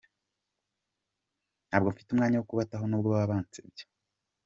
Ntabwo mfite umwanya wo kubataho n’ubwo baba bansebya.